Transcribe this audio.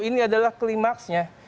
ini adalah klimaksnya